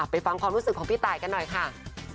ฟังความรู้สึกของพี่ตายกันหน่อยค่ะ